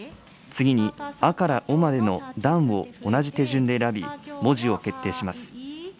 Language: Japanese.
次に、あからおまでの段を同じ手順で選び、文字を決定します。